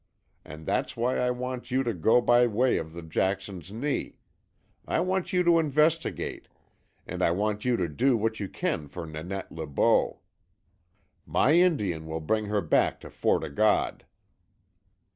And that's why I want you to go by way of the Jackson's Knee. I want you to investigate, and I want you to do what you can for Nanette Le Beau. My Indian will bring her back to Port O' God."